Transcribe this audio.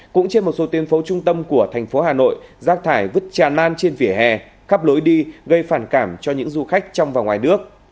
cũng trên một số tuyến phố trung tâm của thành phố hà nội rác thải vứt tràn lan trên vỉa hè khắp lối đi gây phản cảm cho những du khách trong và ngoài nước